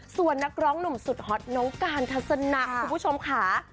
ส่วนนักร้องหนุ่มสุดฮอตน้องการทัศนะคุณผู้ชมค่ะ